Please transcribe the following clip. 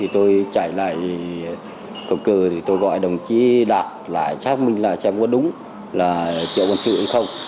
tôi chạy lại cổng cửa tôi gọi đồng chí đạt lại chắc mình xem có đúng là triệu quân sự hay không